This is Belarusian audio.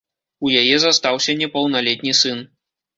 У яе застаўся непаўналетні сын.